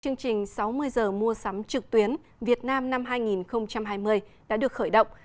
chương trình sáu mươi h mua sắm trực tuyến việt nam năm hai nghìn hai mươi đã được khởi động